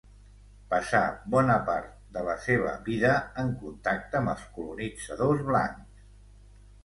Passà bona part de la seva vida en contacte amb els colonitzadors blancs.